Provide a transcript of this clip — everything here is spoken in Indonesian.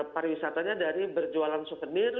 pariwisatanya dari berjualan souvenir